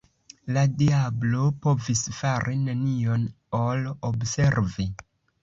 La diablo povis fari nenion ol observi.